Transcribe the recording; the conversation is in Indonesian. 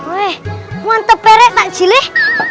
wih mantep pere tak jileh